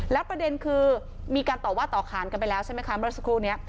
แล้วประเด็นคือมีการต่อว่าต่อขานกันไปแล้วใช่ไหมคะเมื่อสักครู่นี้